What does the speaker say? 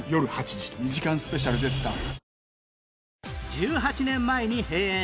１８年前に閉園